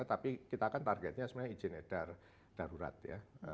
tapi kita kan targetnya sebenarnya izin edar darurat ya